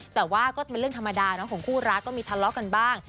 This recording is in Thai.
แต่ว่าก็เป็นเรื่องธรรมดาของคู่รักก็มีทะเลาะกันบ้าง